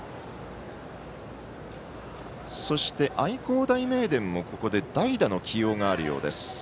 そして、愛工大名電もここで代打の起用があるようです。